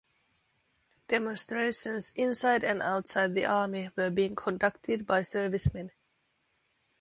Demonstrations inside and outside the army were being conducted by servicemen.